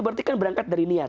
berarti kan berangkat dari niat